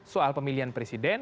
soal pemilihan presiden